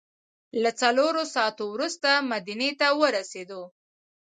له څلورو ساعتو وروسته مدینې ته ورسېدو.